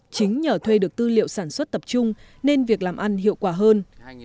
chính nhờ thuê được tư liệu sản xuất tập trung nên việc làm ăn hiệu quả hơn